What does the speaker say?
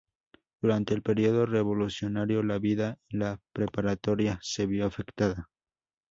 Durante el periodo revolucionario, la vida en la preparatoria se vio afectada.